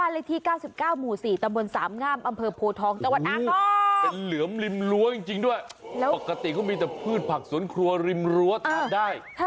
แล้วก็มีแต่พืชผักศ้นครัวริมรั้วทานได้